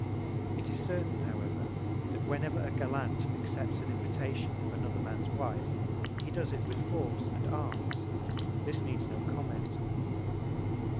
It is certain however that whenever a gallant accepts an invitation of another man's wife he does it with force and arms. This needs no comment.